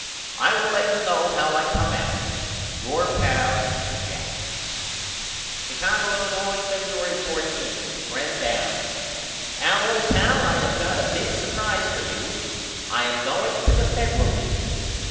I will let you know how I come out. Your pal, JACK. Chicago, Illinois, Febuery 14. FRIEND AL: Al old pal I have got a big supprise for you. I am going to the Federal League.